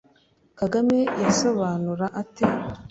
Kagame yasobanura ate